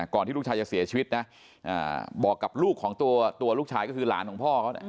ที่ลูกชายจะเสียชีวิตนะบอกกับลูกของตัวลูกชายก็คือหลานของพ่อเขา